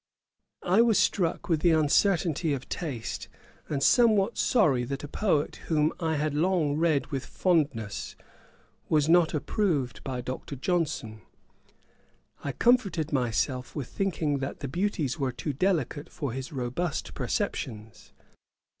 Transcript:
I was struck with the uncertainty of taste, and somewhat sorry that a poet whom I had long read with fondness, was not approved by Dr. Johnson. I comforted myself with thinking that the beauties were too delicate for his robust perceptions.